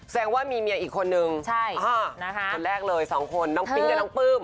แสดงว่ามีเมียอีกคนนึงคนแรกเลยสองคนน้องปิ๊งกับน้องปลื้ม